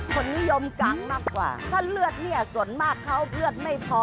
คนนิยมกังมากกว่าถ้าเลือดเนี่ยส่วนมากเขาเลือดไม่พอ